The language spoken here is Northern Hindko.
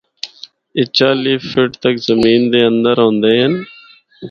اے چالی فٹ تک زمین دے اند ہوندے ہن۔